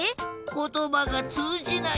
ことばがつうじない。